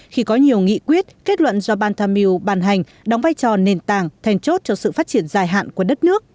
khi có nhiều nghị quyết kết luận do ban tham mưu bàn hành đóng vai trò nền tảng thèn chốt cho sự phát triển dài hạn của đất nước